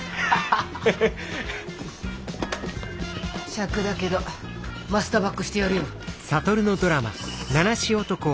しゃくだけどマスターバックしてやるよ。